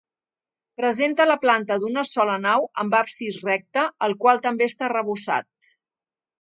Presenta la planta d'una sola nau amb absis recte el qual també està arrebossat.